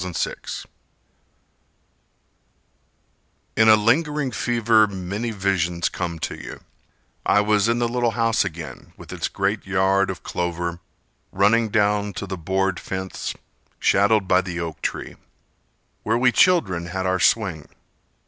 Hamlet Micure In a lingering fever many visions come to you: I was in the little house again With its great yard of clover Running down to the board fence, Shadowed by the oak tree, Where we children had our swing.